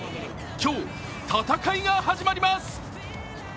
今日、戦いが始まります。